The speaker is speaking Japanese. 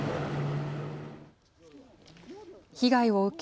被害を受け